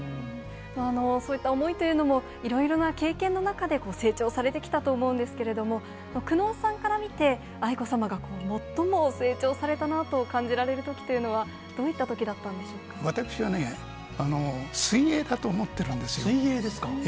そういった思いというのも、いろいろな経験の中で成長されてきたと思うんですけれども、久能さんから見て、愛子さまが最も成長されたなと感じられるときというのは、どうい私はね、水泳だと思ってるん水泳ですか？